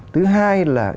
thứ hai là